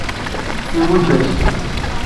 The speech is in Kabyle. Imudd-as-tt.